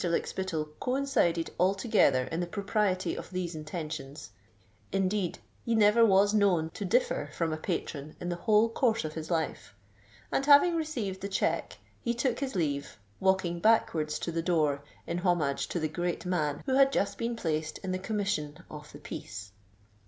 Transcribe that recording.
Lykspittal coincided altogether in the propriety of these intentions—indeed, he never was known to differ from a patron in the whole course of his life; and, having received the cheque, he took his leave, walking backwards to the door in homage to the great man who had just been placed in the commission of the peace.